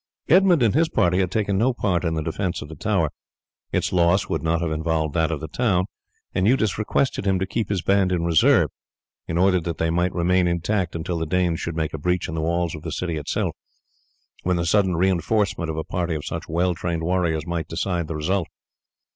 Edmund and his party had taken no part in the defence of the tower. Its loss would not have involved that of the town, and Eudes requested him to keep his band in reserve in order that they might remain intact until the Danes should make a breach in the walls of the city itself, when the sudden reinforcement of a party of such well trained warriors might decide the result.